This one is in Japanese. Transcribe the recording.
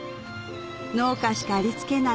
農家しか有り付けない